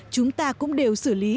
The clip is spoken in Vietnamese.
chúng ta cũng đều xử lý